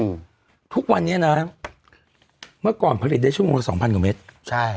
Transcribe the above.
อืมทุกวันนี้นะเมื่อก่อนผลิตได้ชั่วโมงละสองพันกว่าเมตรใช่